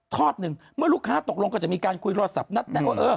ทอดหนึ่งเมื่อลูกค้าตกลงก็จะมีการคุยรอบสับนัดแนบว่าเออ